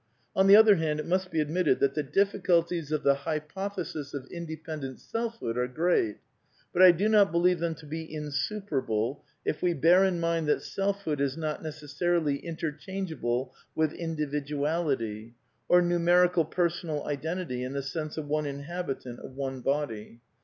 On the other hand, it must be ad mitted that the difficulties of the hypothesis of independent selfhood are great. But I do not believe them to be insuperable, if we bear in mind that selfhood is not neces sarily interchangeable vdth " individuality," or numericalr '\ personal identity in the sense of one inhabitant of one body.